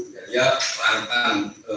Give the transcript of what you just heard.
jadi dia melarikan